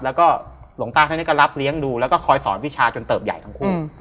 แล้วก็หลวงตาท่านนี้ก็รับเลี้ยงดูแล้วก็คอยสอนวิชาจนเติบใหญ่ทั้งคู่